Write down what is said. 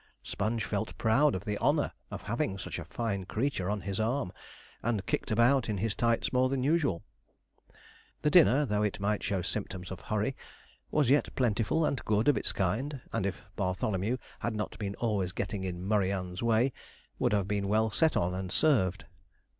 Sponge felt proud of the honour of having such a fine creature on his arm, and kicked about in his tights more than usual. The dinner, though it might show symptoms of hurry, was yet plentiful and good of its kind; and if Bartholomew had not been always getting in Murry Ann's way, would have been well set on and served.